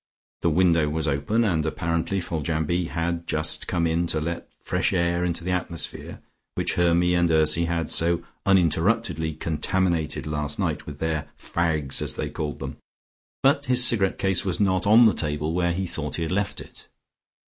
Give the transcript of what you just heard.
The window was open, and apparently Foljambe had just come in to let fresh air into the atmosphere which Hermy and Ursy had so uninterruptedly contaminated last night with their "fags" as they called them, but his cigarette case was not on the table where he thought he had left it.